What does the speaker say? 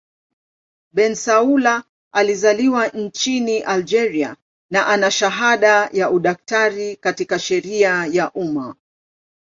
Bensaoula alizaliwa nchini Algeria na ana shahada ya udaktari katika sheria ya umma.